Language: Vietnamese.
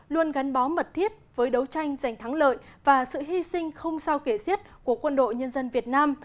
luôn gắn bó mật thiết với đấu tranh giành thắng lợi và sự hy sinh không sao kể siết của quân đội nhân dân việt nam